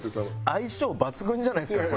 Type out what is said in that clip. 相性抜群じゃないですか？